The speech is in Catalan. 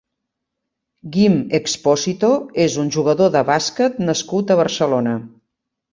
Guim Expósito és un jugador de bàsquet nascut a Barcelona.